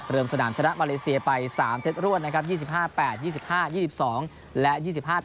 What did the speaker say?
สนามชนะมาเลเซียไป๓เซตรวดนะครับ๒๕๘๒๕๒๒และ๒๕